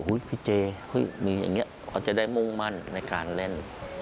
พี่เจมีอย่างนี้เขาจะได้มุ่งมั่นในการเล่น